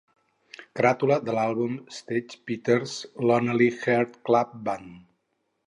Caràtula de l'àlbum Sgt. Pepper's Lonely Hearts Club Band.